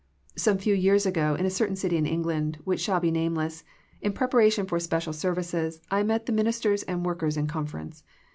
Some few years ago in a certain city in England, which shall be nameless, in preparation for special services I met the minis ters and workers in conference.